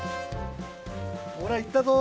ほらいったぞ！